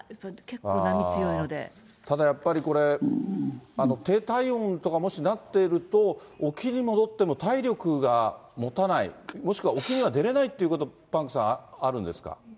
ただやっぱり、これ、低体温とか、もしなっていると、沖に戻っても体力がもたない、もしくは沖には出れないということ、パンクさん、あるんですか？